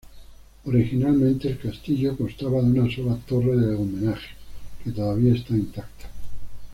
Originalmente el castillo constaba de una sola torre del homenaje, que todavía está intacta.